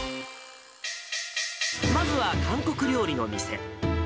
まずは韓国料理の店。